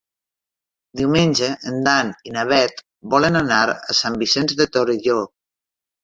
Diumenge en Dan i na Bet volen anar a Sant Vicenç de Torelló.